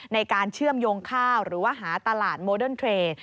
ในการเชื่อมโยงข้าวหรือว่าหาตลาดโมเดิร์นเทร